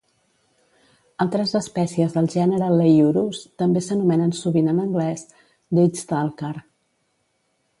Altres espècies del gènere Leiurus també s'anomenen sovint en anglès "deathstalker".